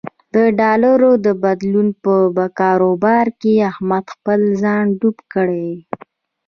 د ډالر د بدلون په کاروبار کې احمد خپل ځان ډوب یې کړ.